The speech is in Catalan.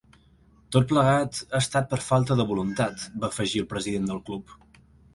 Tot plegat ha estat per falta de voluntat, va afegir el president del club.